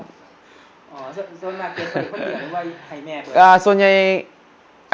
ส่วนมากเก็บเงื่อนไว้คนเดียวหรือให้แม่เปิด